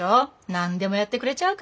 何でもやってくれちゃうから。